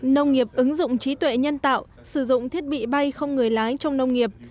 nông nghiệp ứng dụng trí tuệ nhân tạo sử dụng thiết bị bay không người lái trong nông nghiệp